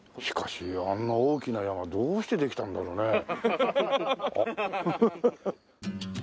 しかしあんな大きな山どうしてできたんだろうね？